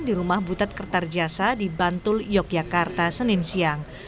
di rumah butet kertajasa di bantul yogyakarta senin siang